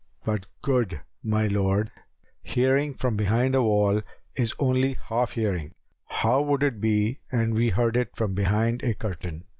But, good my lord, hearing from behind a wall is only half hearing; how would it be an we heard it from behind a curtain?"